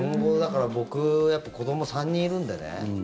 僕子ども３人いるんでね